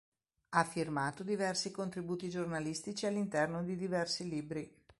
Ha firmato diversi contributi giornalistici all'interno di diversi libri.